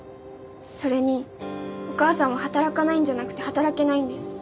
それにお母さんは働かないんじゃなくて働けないんです。